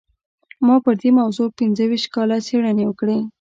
ما پر دې موضوع پينځه ويشت کاله څېړنې وکړې.